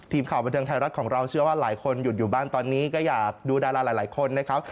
ทีมข่าวบันเทิงไทยรัฐของเราเชื่อว่าหลายคนหยุดอยู่บ้านตอนนี้ก็อยากดูดาราหลายคนนะครับ